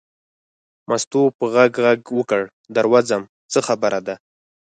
مستو په غږ غږ وکړ در وځم څه خبره ده.